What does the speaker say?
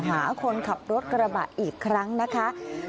หาคนขับรถกระบะอีกครั้งนะคะ